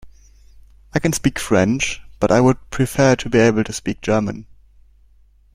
I can speak French, but I would prefer to be able to speak German